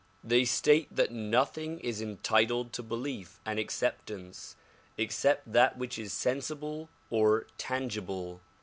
They state that nothing is entitled to belief and acceptance except that which is sensible or tangible.